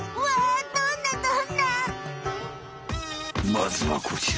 まずはこちら！